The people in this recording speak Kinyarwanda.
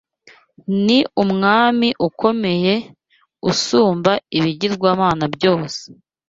Ni Umwami ukomeye, usumba ibigirwamana byose